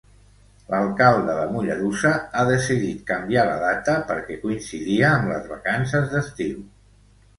L'alcalde de Mollerussa ha decidit canviar la data perquè coincidia amb les vacances d'estiu.